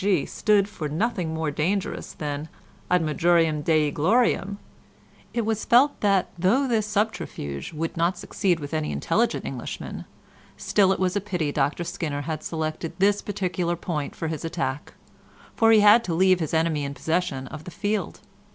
D.G. stood for nothing more dangerous than Ad Majorem Dei Gloriam, it was felt that though this subterfuge would not succeed with any intelligent Englishman, still it was a pity Dr Skinner had selected this particular point for his attack, for he had to leave his enemy in possession of the field.